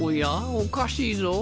おかしいぞ。